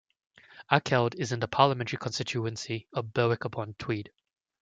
Akeld is in the parliamentary constituency of Berwick-upon-Tweed.